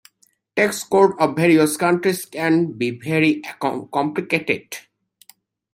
Tax codes of various countries can be very complicated.